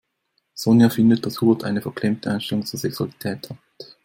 Sonja findet, dass Hubert eine verklemmte Einstellung zur Sexualität hat.